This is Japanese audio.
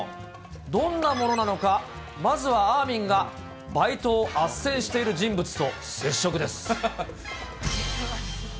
どんなものなのか、まずはあーみんがバイトをあっせんしている人物と接触です。